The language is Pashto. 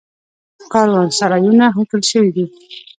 کاروانسرایونه هوټل شوي دي.